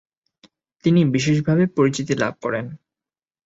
তিনি বিশেষভাবে পরিচিতি লাভ করেন।